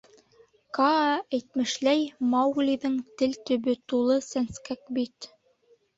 Каа әйтмешләй, Мауглиҙың тел төбө тулы сәнскәк бит.